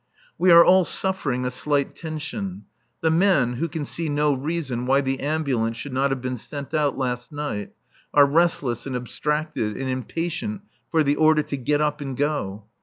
We are all suffering a slight tension. The men, who can see no reason why the ambulance should not have been sent out last night, are restless and abstracted and impatient for the order to get up and go.